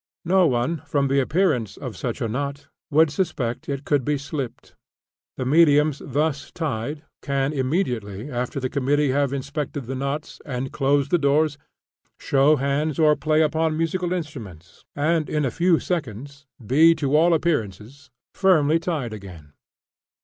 No one, from the appearance of such a knot, would suspect it could be slipped. The mediums thus tied can, immediately after the committee have inspected the knots, and closed the doors, show hands or play upon musical instruments, and in a few seconds be, to all appearance, firmly tied again.